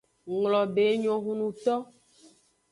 Nglobe enyo hunnuto.